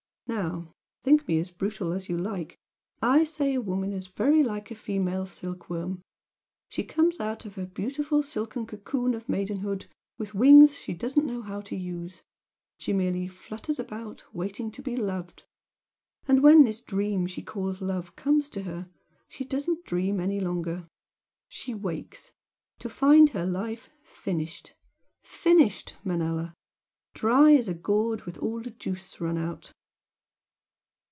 Now think me as brutal as you like I say a woman is very like a female silkworm, she comes out of her beautiful silken cocoon of maidenhood with wings which she doesn't know how to use she merely flutters about waiting to be 'loved' and when this dream she calls 'love' comes to her, she doesn't dream any longer she wakes to find her life finished! finished, Manella! dry as a gourd with all the juice run out!"